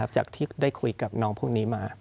จากที่ได้คุยกับน้องพวกนี้มา